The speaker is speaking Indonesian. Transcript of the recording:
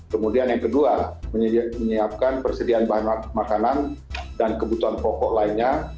kemudian yang kedua menyiapkan persediaan bahan makanan dan kebutuhan pokok lainnya